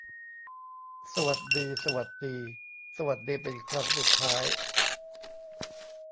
สวัสดี สวัสดี สวัสดีเป็นครั้งสุดท้าย